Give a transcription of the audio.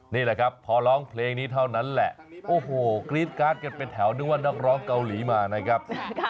นี่แหละครับพอร้องเพลงนี้เท่านั้นแหละโอ้โหกรี๊ดการ์ดกันเป็นแถวนึกว่านักร้องเกาหลีมานะครับ